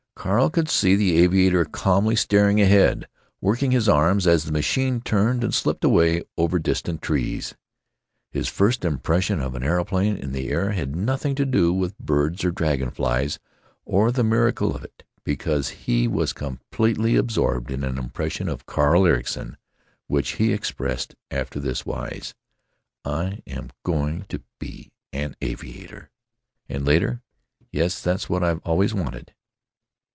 Carl could see the aviator calmly staring ahead, working his arms, as the machine turned and slipped away over distant trees. His first impression of an aeroplane in the air had nothing to do with birds or dragon flies or the miracle of it, because he was completely absorbed in an impression of Carl Ericson, which he expressed after this wise: "I—am—going—to—be—an—aviator!" And later, "Yes, that's what I've always wanted."